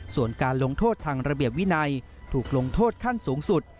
ส่วนการลงโทษทางระเบียบวินัยถูกลงโทษขั้นสูงสุด